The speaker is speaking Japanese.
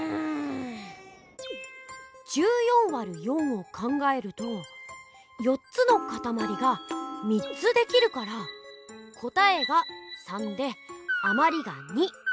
１４÷４を考えると４つのかたまりが３つできるから答えが３であまりが２。